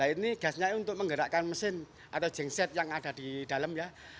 ini gasnya untuk menggerakkan mesin atau jengset yang ada di dalam ya